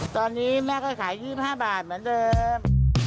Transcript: ตอนนี้แม่ก็ขาย๒๕บาทเหมือนเดิม